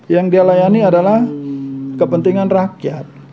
yang dia layani adalah kepentingan rakyat